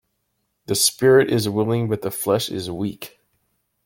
The spirit is willing but the flesh is weak.